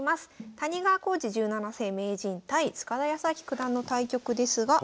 谷川浩司十七世名人対塚田泰明九段の対局ですが。